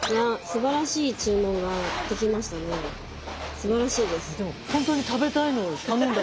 すばらしいです。